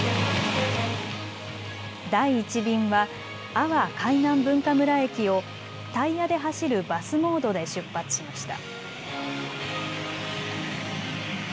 第１便は阿波海南文化村駅をタイヤで走るバスモードで出発しました。